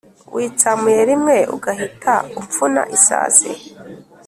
Witsamuye limwe ugahita upfuna isazi